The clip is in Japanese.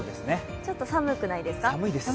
ちょっと寒くないですか、寒いですね。